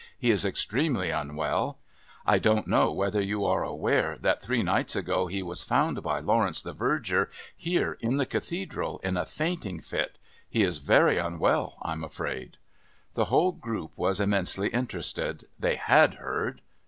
He is extremely unwell. I don't know whether you are aware that three nights ago he was found by Lawrence the Verger here in the Cathedral in a fainting fit. He is very unwell, I'm afraid." The whole group was immensely interested. They had heard....